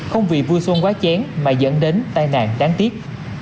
không vì vui xuân quá chén mà dẫn đến tai nạn đáng tiếc